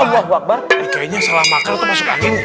ya kayaknya salah makan atau masuk angin